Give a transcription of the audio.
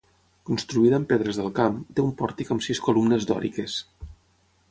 Construïda amb pedres del camp, té un pòrtic amb sis columnes dòriques.